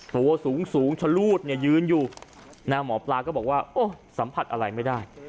ตัวสูงชะลูดเนี่ยยืนอยู่หมอปลาก็บอกว่าโอ้สัมผัสอะไรไม่ได้